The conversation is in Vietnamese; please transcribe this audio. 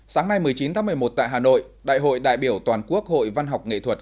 sáng nay một mươi chín tháng một mươi một tại hà nội đại hội đại biểu toàn quốc hội văn học nghệ thuật